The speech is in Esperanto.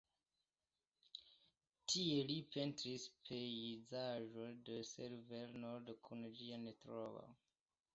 Tie li pentris pejzaĝojn de severa Nordo kun ĝia netuŝita beleco.